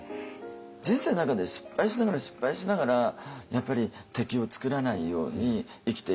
人生の中で失敗しながら失敗しながらやっぱり敵を作らないように生きていかなきゃいけない。